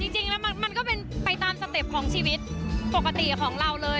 จริงแล้วมันก็เป็นไปตามสเต็ปของชีวิตปกติของเราเลย